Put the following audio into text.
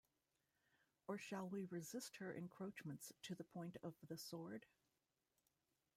Or shall we resist her encroachments to the point of the sword?...